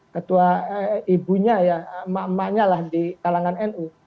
ketua ibunya ya emak emaknya lah di kalangan nu